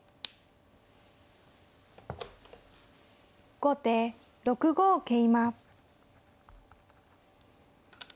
後手６五桂馬。